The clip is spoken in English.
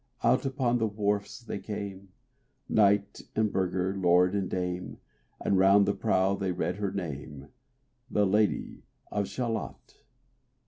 Out upon the wharfs they came, Knight and burgher, lord and dame, And round the prow they read her name, The Lady of Shalott.